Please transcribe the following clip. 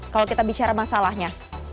kalau kita bicara masalahnya